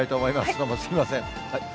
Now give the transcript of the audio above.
どうもすみません。